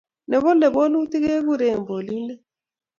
nebolei bolutik kekuren bolinde